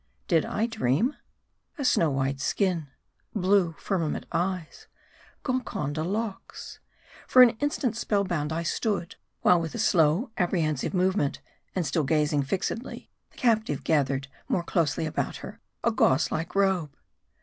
Did I dream ? A snow white skin : blue, firmament eyes : Golconda locks. For an instant spell bound I stood ; while with a slow, apprehensive movement, and still gazing fix edly, the captive gathered more closely about her a gauze like robe.